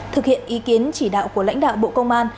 thực hiện ý kiến chỉ đạo của lãnh đạo bộ cảnh sát